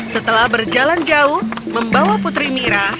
setelah berjalan jauh membawa putri mira